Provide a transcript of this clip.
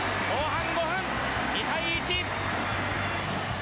後半５分、２対１！